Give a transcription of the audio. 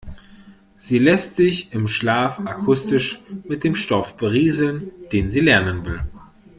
Sie lässt sich im Schlaf akustisch mit dem Stoff berieseln, den sie lernen will.